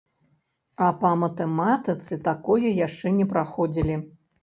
А па матэматыцы такое яшчэ не праходзілі!